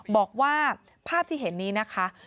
บอกว่าภาพที่เห็นนี้นะคะ